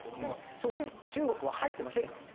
そこに中国は入ってませんからね。